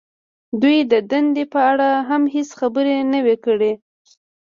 دوی د دندې په اړه هم هېڅ خبرې نه وې کړې